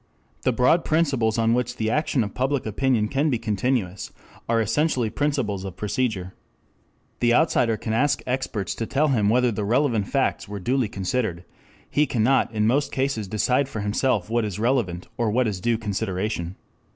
The broad principles on which the action of public opinion can be continuous are essentially principles of procedure. The outsider can ask experts to tell him whether the relevant facts were duly considered; he cannot in most cases decide for himself what is relevant or what is due consideration.